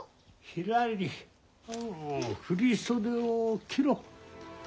ひらり振り袖を着ろ。